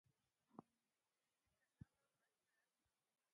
دوی له دغه بد حالت سره مخ شوي دي